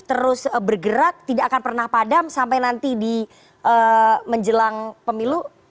terus bergerak tidak akan pernah padam sampai nanti di menjelang pemilu